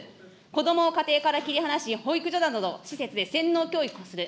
子どもを家庭から切り離し、保育所などの施設で洗脳教育をする。